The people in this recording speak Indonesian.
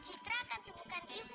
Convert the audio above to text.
citra akan sembuhkan ibu